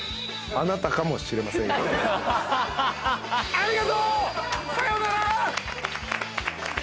ありがとう！さようなら！